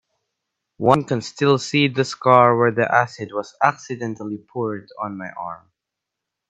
One can still see the scar where the acid was accidentally poured on my arm.